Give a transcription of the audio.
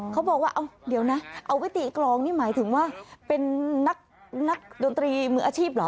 เขาบอกว่าเอาเดี๋ยวนะเอาไว้ตีกรองนี่หมายถึงว่าเป็นนักดนตรีมืออาชีพเหรอ